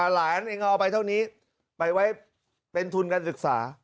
หลานเองก็เอาไปเท่านี้ไปไว้เป็นทุนการศึกษา